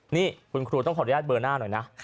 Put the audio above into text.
นี่คุณครูต้องขออนุญาตเบอร์หน้าหน่อยนะ